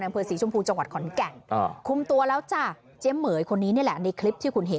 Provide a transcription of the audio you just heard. อำเภอศรีชมพูจังหวัดขอนแก่นคุมตัวแล้วจ้ะเจ๊เหม๋ยคนนี้นี่แหละในคลิปที่คุณเห็น